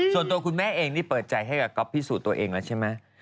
ส่วนตัวคุณแม่เองเปิดใจให้กับก็พิสูจน์ตัวเองนะใช่มั้ย